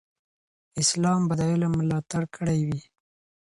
اسلام به د علم ملاتړ کړی وي.